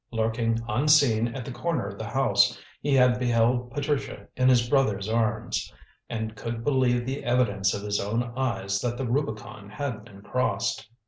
Lurking unseen at the corner of the house, he had beheld Patricia in his brother's arms, and could believe the evidence of his own eyes that the Rubicon had been crossed.